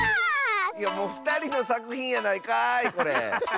おふたりのさくひんやないかいこれ。